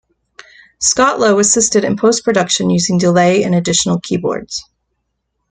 Scott Lowe assisted in post production using delay and additional keyboards.